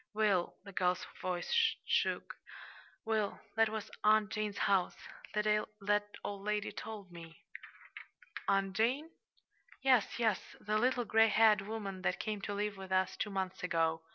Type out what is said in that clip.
"Will" the girl's voice shook "Will, that was Aunt Jane's house. That old lady told me." "Aunt Jane?" "Yes, yes the little gray haired woman that came to live with us two months ago.